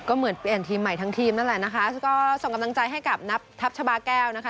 ก็เหมือนเปลี่ยนทีมใหม่ทั้งทีมนั่นแหละนะคะก็ส่งกำลังใจให้กับนับทัพชาบาแก้วนะคะ